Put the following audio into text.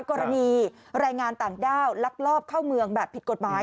กรณีแรงงานต่างด้าวลักลอบเข้าเมืองแบบผิดกฎหมาย